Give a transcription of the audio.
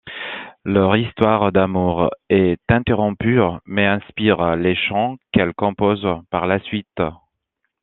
Leur histoire d'amour est interrompue, mais inspire les chants qu'elle compose par la suite.